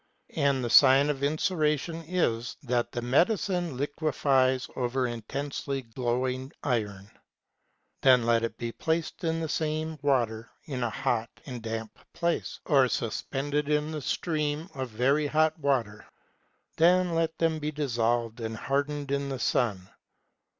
And the sign of inceration is, that the medicine liquefies over intensely glowing iron. Then let it be placed in the same water in a hot and damp place, or suspended in the steam of very hot water ; then let them be dissolved and hardened in the sun.